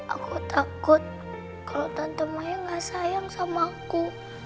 aku takut kalau tante maya gak sayang sama aku